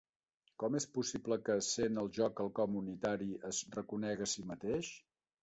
Com és possible que, sent el jo quelcom unitari, es reconega a si mateix?